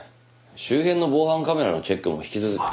周辺の防犯カメラのチェックも引き続き。